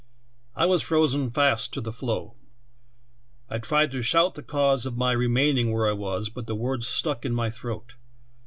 "I was frozen fast to the floe ! I tried to shout the cause of my remaining where I was, but the words stuck in my throat.